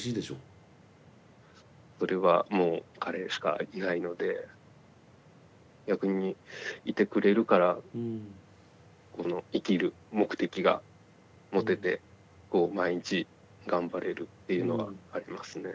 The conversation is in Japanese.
それはもう彼しかいないので逆にいてくれるからこの生きる目的が持ててこう毎日頑張れるっていうのはありますね。